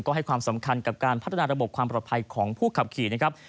ก็ให้ความสำคัญกับการพัฒนาระบบความปลอดภัยของผู้ขับขี่นะครับ